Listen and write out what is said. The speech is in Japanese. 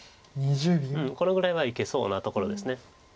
これぐらいはいけそうなところです。